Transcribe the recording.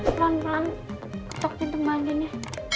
pelan pelan ketok pintu mbak anin ya